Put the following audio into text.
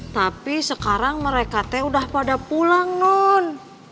tapi sekarang mereka teh udah pada pulang non